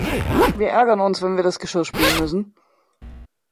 Wir ärgern uns, wenn wir das Geschirr spülen müssen.